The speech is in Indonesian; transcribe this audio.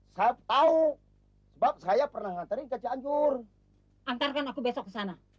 saya tahu sebab saya pernah nganterin kerja ancur angkatkan aku besok sana